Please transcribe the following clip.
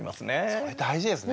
それ大事ですね。